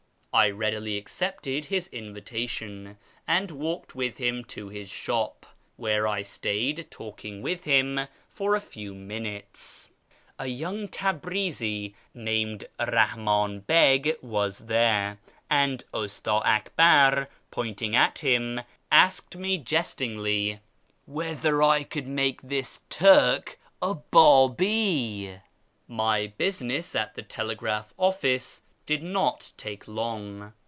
I readily accepted his nvitation, and walked with him to his shop, where I stayed alking with him for a few minutes. A young Tabrizi named Ltahman Beg was there, and Usta Akbar, pointing at liim, isked me jestingly, " whether I could make this Turk a Ubi ?" J 500 A YEAR AMONGST THE PERSIANS My busiuess at the tcleii, Tai)h ofTico did not take long.